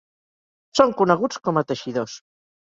Són coneguts com a teixidors.